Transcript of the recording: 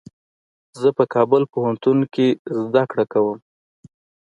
زه په کابل پوهنتون کي زده کړه کوم.